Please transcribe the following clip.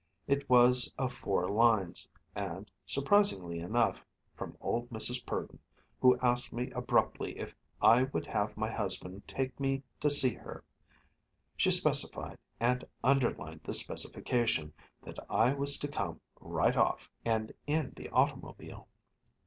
It was of four lines, and surprisingly enough from old Mrs. Purdon, who asked me abruptly if I would have my husband take me to see her. She specified, and underlined the specification, that I was to come "right off, and in the automobile."